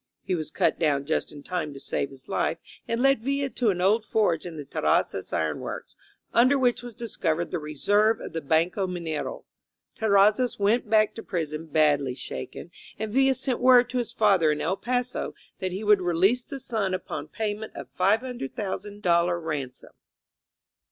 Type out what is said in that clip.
He was cut down just in time to save his life, and led Villa to an old forge in the Terrazzas iron works, under which was discovered the reserve of the Banco Minero. Terrazzas went back to prison badly shaken, and Villa sent word to his father in £1 Paso that he would release the son upon payment of ^$500,000 ransom.